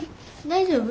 大丈夫？